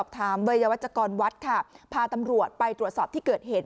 ถามวัยวัชกรวัดค่ะพาตำรวจไปตรวจสอบที่เกิดเหตุ